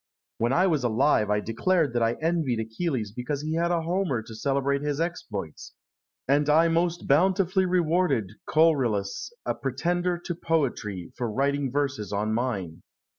When I was alive, I declared that I envied Achilles because he had a Homer to celebrate his exploits; and I most bountifully rewarded Choerilus, a pretender to poetry, for writing verses on mine.